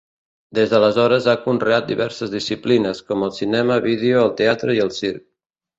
Des d’aleshores ha conreat diverses disciplines, com el cinema, vídeo, el teatre i el circ.